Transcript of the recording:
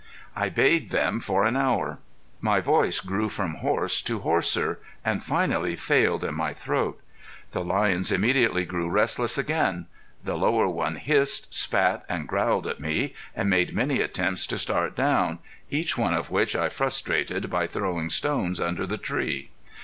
I bayed them for an hour. My voice grew from hoarse to hoarser, and finally failed in my throat. The lions immediately grew restless again. The lower one hissed, spat and growled at me, and made many attempts to start down, each one of which I frustrated by throwing stones under the tree.